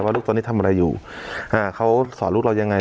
ลูกตอนนี้ทำอะไรอยู่อ่าเขาสอนลูกเรายังไง